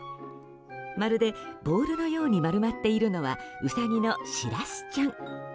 まるでボールのように丸まっているのはウサギのしらすちゃん。